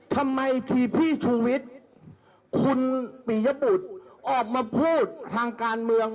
ทำไมทีพี่ชูวิทย์คุณปียบุตรออกมาพูดทางการเมือง